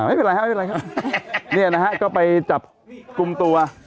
ไม่เป็นไรครับไม่เป็นไรครับเนี่ยนะฮะก็ไปจับกลุ่มตัว